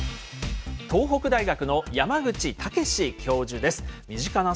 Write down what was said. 東北大学の山口健教授です。